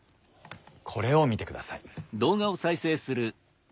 これを見てください。